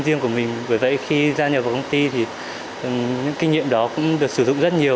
riêng của mình bởi vậy khi gia nhập vào công ty thì những kinh nghiệm đó cũng được sử dụng rất nhiều